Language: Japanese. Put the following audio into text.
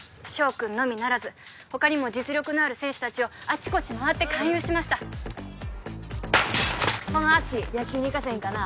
君のみならず他にも実力のある選手達をあちこち回って勧誘しましたその足野球に生かせへんかな